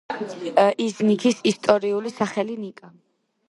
იზნიქის ისტორიული სახელია ნიკეა.